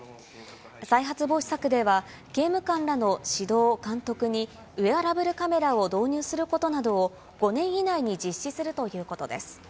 再発防止策では、刑務官らの指導・監督にウエアラブルカメラを導入することなどを５年以内に実施するということです。